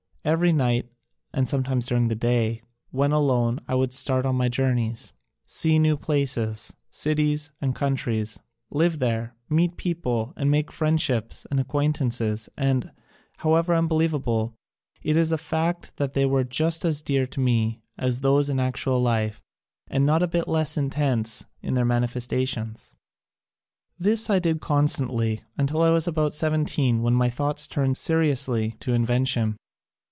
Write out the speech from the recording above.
Every night (and sometimes during the day), when alone, I would start on my journeys — see new places, cities and countries — live there, meet people and make friendships and ac quaintances and, however unbelievable, it is a fact that they were just as dear to me as those in actual life and not a bit less intense in their manifestations. This I did constantly until I was about seventeen when my thoughts turned seri ously to invention.